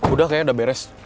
udah kayaknya udah beres